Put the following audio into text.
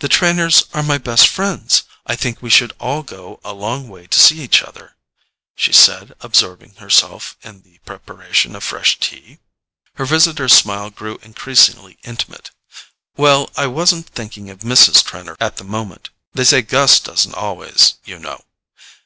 "The Trenors are my best friends—I think we should all go a long way to see each other," she said, absorbing herself in the preparation of fresh tea. Her visitor's smile grew increasingly intimate. "Well, I wasn't thinking of Mrs. Trenor at the moment—they say Gus doesn't always, you know."